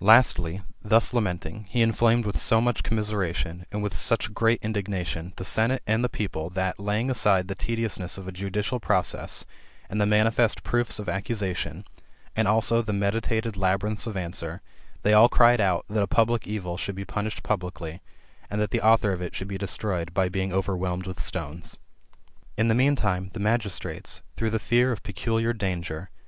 Lastly, thus lamenting, he inflamed with so much commisera^ tion, and with such great indignation, the senate and the people, Uiat, laying aside the tediousness of a judicial process, and the manifest proofs of accusation, and also the meditated labyrinths of answer, they all cried out, that a public evil should be punished publicly, and that [the author of] it should be destroyed by being overwhelmed with stones. In the mean time, the magistrates, through the fear of peculiar danger, vis.